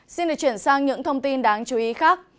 xin được chuyển sang những thông tin đáng chú ý khác